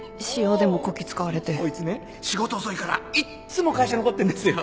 こいつね仕事遅いからいっつも会社残ってんですよ